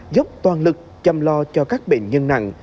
dốc toàn lực chăm lo cho các bệnh nhân nặng